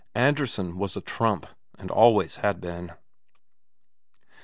Andresen was a trump, and always had been.